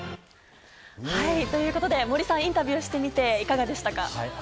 森さん、インタビューしてみていかがでしたか？